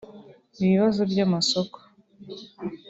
ibibazo by’amasoko